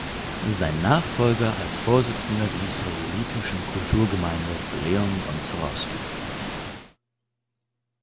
Sein Nachfolger als Vorsitzender der Israelitischen Kultusgemeinde war Leon Gonczarowski.